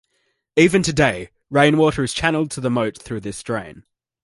Even today, rainwater is channeled to the moat through this drain.